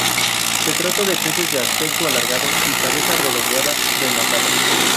Se trata de peces de aspecto alargado y cabeza redondeada, rematada.